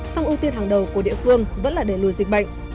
song ưu tiên hàng đầu của địa phương vẫn là để lùi dịch bệnh